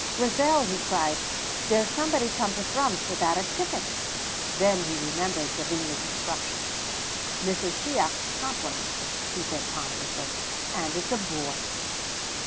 "Grizel," he cried, "there's somebody come to Thrums without a ticket!" Then he remembered Gavinia's instructions. "Mrs. Shiach's compliments," he said ponderously, "and it's a boy."